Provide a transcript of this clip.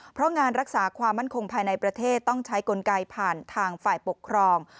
เพราะงานรักษาความมั่นคงภายในประเทศต้องใช้กลไกผ่านทางฝ่ายปกครอง